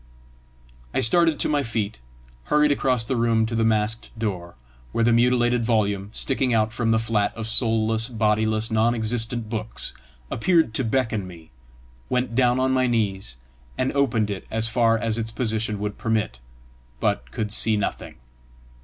I started to my feet, hurried across the room to the masked door, where the mutilated volume, sticking out from the flat of soulless, bodiless, non existent books, appeared to beckon me, went down on my knees, and opened it as far as its position would permit, but could see nothing.